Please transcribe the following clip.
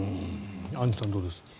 アンジュさんどうです？